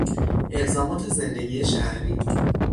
الزامات زندگی شهری